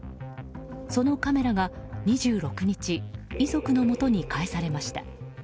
そのカメラが２６日遺族のもとに返されました。